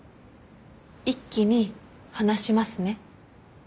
一気に話しますね。